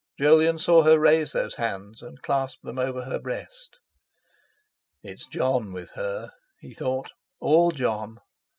Jolyon saw her raise those hands and clasp them over her breast. 'It's Jon, with her,' he thought; 'all Jon!